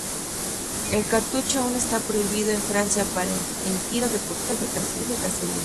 El cartucho aún está prohibido en Francia para emplearse en tiro deportivo y cacería.